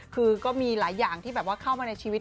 คือก็มีหลายอย่างที่แบบว่าเข้ามาในชีวิต